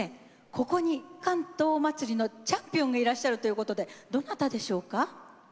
ここに竿燈まつりのチャンピオンがいらっしゃるということでどなたでしょうか？